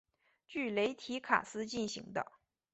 据雷提卡斯进行的。